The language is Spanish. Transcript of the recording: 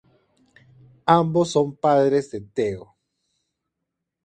Ambos son padres de Teo.